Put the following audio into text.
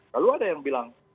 lalu ada yang bilang